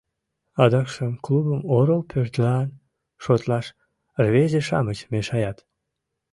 Адакшым клубым орол пӧртлан шотлаш рвезе-шамыч мешаят.